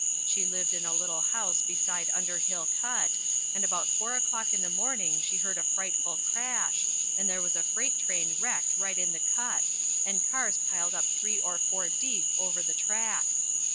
She lived in a little house beside Underhill Cut, and about four o'clock in the morning she heard a frightful crash, and there was a freight train wrecked right in the cut, and cars piled up three or four deep over the tracks!